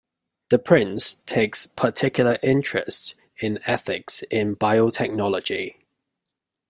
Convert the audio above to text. The prince takes particular interest in ethics in biotechnology.